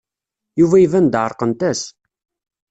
Yuba iban-d ɛerqent-as.